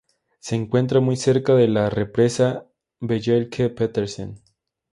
Se encuentra muy cerca de la Represa Bjelke-Petersen.